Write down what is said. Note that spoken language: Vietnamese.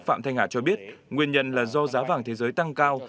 phạm thanh hà cho biết nguyên nhân là do giá vàng thế giới tăng cao